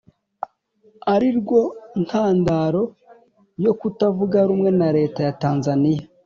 ari rwo ntandaro yo kutavuga rumwe na Leta ya Tanzaniya